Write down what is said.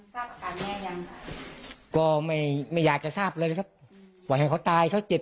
แม่ยังก็ไม่ไม่อยากจะทราบเลยครับไว้ให้เขาตายเขาเจ็บ